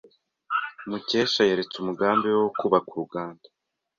Mukesha yaretse umugambi we wo kubaka uruganda.